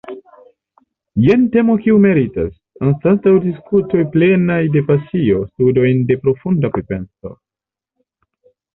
Jen temo kiu meritas, anstataŭ diskutoj plenaj de pasio, studojn de profunda pripenso.